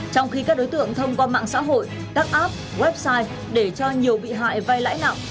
trong khi các đối tượng thông qua mạng xã hội các app website để cho nhiều bị hại vai lãi nặng